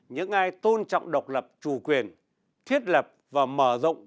những ai tôn trọng độc lập chủ quyền thiết lập và mở rộng